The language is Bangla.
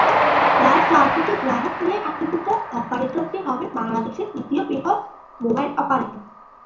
প্রায় চার কোটি গ্রাহক নিয়ে একীভূত অপারেটরটি হবে বাংলাদেশের দ্বিতীয় বৃহৎ মোবাইল অপারেটর।